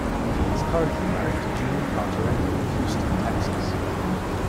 He is currently married to Jeanie Carter Engle of Houston, Texas.